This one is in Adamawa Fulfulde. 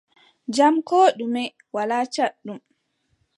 Jam koo ɗume, walaa caɗɗum.